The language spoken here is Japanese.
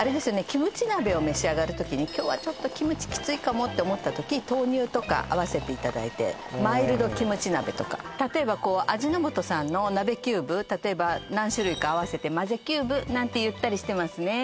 キムチ鍋を召し上がる時に今日はちょっとキムチきついかもって思った時豆乳とか合わせていただいてマイルドキムチ鍋とか例えば何種類か合わせて混ぜキューブなんて言ったりしてますね